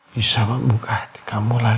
sudah menghabis dendam itu